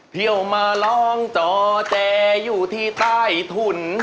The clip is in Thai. เที่ยวมาร้องจอแจอยู่ที่ใต้ถุน